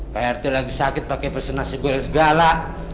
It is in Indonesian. pak rt lagi sakit pake pesen nasi goreng segala